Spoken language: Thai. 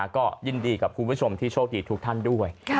ก็ยินดีกับคุณผู้ชมที่โชคดีทุกท่านด้วย